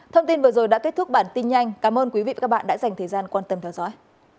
thông tin vừa rồi đã kết thúc bản tin nhanh cảm ơn quý vị và các bạn đã dành thời gian quan tâm theo dõi